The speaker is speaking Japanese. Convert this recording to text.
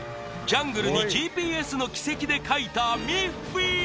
ジャングルにＧＰＳの軌跡で描いたミッフィー！